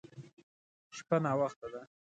شپه ناوخته ده.